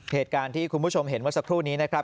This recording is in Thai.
เหตุการณ์ที่คุณผู้ชมเห็นเมื่อสักครู่นี้นะครับ